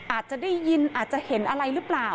อาจจะได้ยินอาจจะเห็นอะไรหรือเปล่า